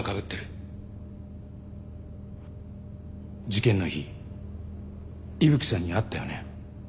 事件の日伊吹さんに会ったよね？